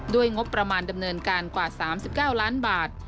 งบประมาณดำเนินการกว่า๓๙ล้านบาท